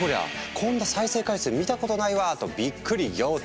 こんな再生回数見たことないわ！」とビックリ仰天！